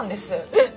えっ？